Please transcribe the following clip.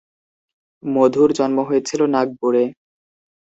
মধুর জন্ম হয়েছিলো নাগপুরে।